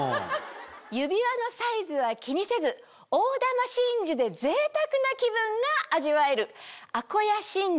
指輪のサイズは気にせず大珠真珠でぜいたくな気分が味わえる。